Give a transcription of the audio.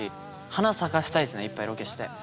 花咲かせたいですね、いっぱいロケして。